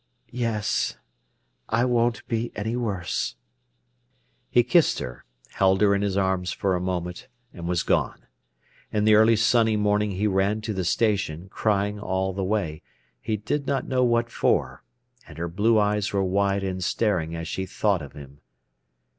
"Yes; I won't be any worse." He kissed her, held her in his arms for a moment, and was gone. In the early sunny morning he ran to the station, crying all the way; he did not know what for. And her blue eyes were wide and staring as she thought of him.